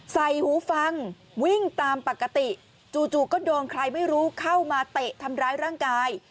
หูฟังวิ่งตามปกติจู่ก็โดนใครไม่รู้เข้ามาเตะทำร้ายร่างกาย